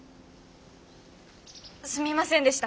すみませんでした